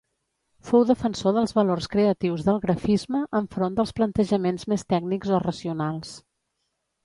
Fou defensor dels valors creatius del grafisme enfront dels plantejaments més tècnics o racionals.